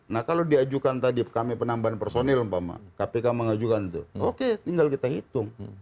nah kalau diajukan tadi kami penambahan personil kpk mengajukan itu oke tinggal kita hitung